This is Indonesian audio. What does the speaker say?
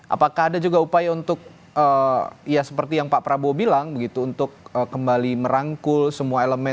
apakah ada juga upaya untuk ya seperti yang pak prabowo bilang begitu untuk kembali merangkul semua elemen